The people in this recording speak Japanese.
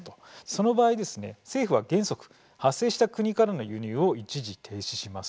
その場合ですね政府は原則発生した国からの輸入を一時停止します。